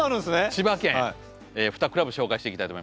千葉県２クラブ紹介していきたいと思います。